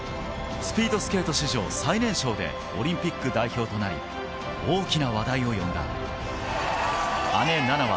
スピードスケート史上最年少でオリンピック代表となり、大きな話題を呼んだ。